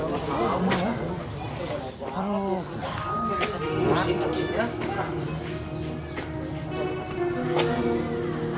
bisa dilurusin lagi ya